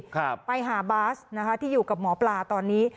ครับไปหาบาสนะคะที่อยู่กับหมอปลาตอนนี้